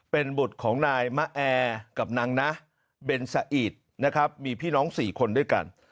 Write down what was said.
เป็นบุตรของนายมะแอร์กับนางนะเบนสะอีดนะครับมีพี่น้อง๔คนด้วยกัน